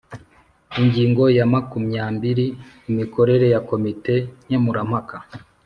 Ingingo ya makumyambiri: Imikorere ya Komite Nkemurampaka.